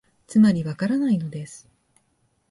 つまり、わからないのです